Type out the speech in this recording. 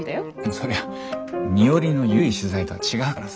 そりゃ二折の緩い取材とは違うからさ。